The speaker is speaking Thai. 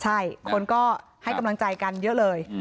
ใช่คนก็ให้กำลังใจกันเยอะเลย